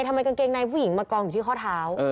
ทำไมกางเกงในผู้หญิงมากองอยู่ที่ข้อเท้า